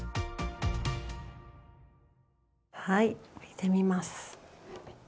はい置いてみます。